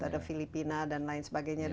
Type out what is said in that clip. ada filipina dan lain sebagainya